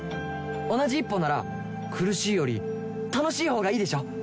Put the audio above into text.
同じ一歩なら苦しいより楽しいほうがいいでしょ？